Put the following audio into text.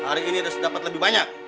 hari ini udah semuanya